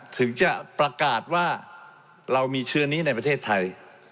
ถึงจะประกาศว่าเรามีเชื้อนี้ในประเทศไทย